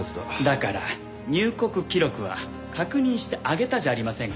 だから入国記録は確認してあげたじゃありませんか。